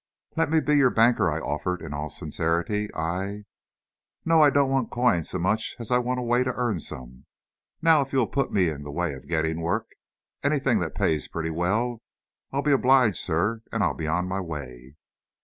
"Let me be your banker," I offered, in all sincerity; "I " "No; I don't want coin so much as I want a way to earn some. Now, if you'll put me in the way of getting work, anything that pays pretty well, I'll be obliged, sir, and I'll be on my way."